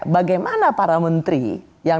bagaimana para menteri yang